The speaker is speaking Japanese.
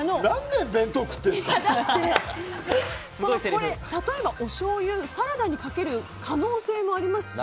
だって、例えばおしょうゆをサラダにかける可能性もありますし。